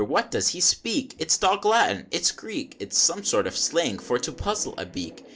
what does he speak?" "It's Dog Latin it's Greek!" "It's some sort of slang for to puzzle a Beak!"